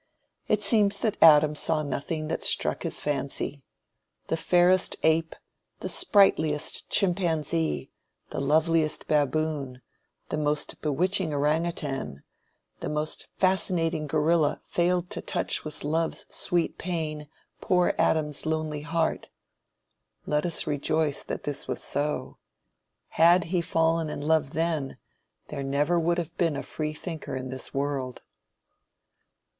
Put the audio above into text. It seems that Adam saw nothing that struck his fancy. The fairest ape, the sprightliest chimpanzee, the loveliest baboon, the most bewitching orangoutang, the most fascinating gorilla failed to touch with love's sweet pain, poor Adam's lonely heart. Let us rejoice that this was so. Had he fallen in love then, there never would have been a Freethinker in this world.